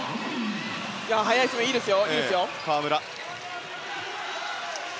速い攻め、いいですよ。